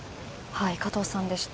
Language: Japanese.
加藤さんでした。